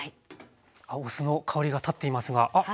お酢の香りが立っていますがあっ